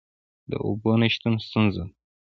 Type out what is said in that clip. د اوبو نشتون ستونزه ده؟